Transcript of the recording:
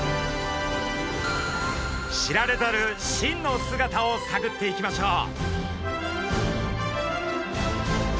知られざる真の姿をさぐっていきましょう！